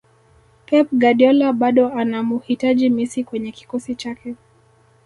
pep guardiola bado anamuhitaji messi kwenye kikosi chake